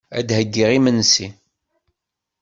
Ad d-heyyiɣ imensi.